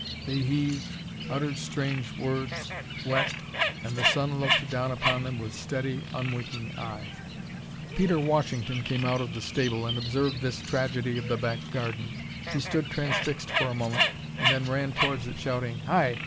They heaved, uttered strange words, wept, and the sun looked down upon them with steady, unwinking eye. Peter Washington came out of the stable and observed this tragedy of the back garden. He stood transfixed for a moment, and then ran towards it, shouting: "Hi!